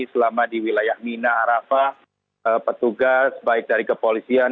selama di wilayah mina arafah petugas baik dari kepolisian